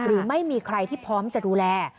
หรือไม่มีใครที่พร้อมจะดูแล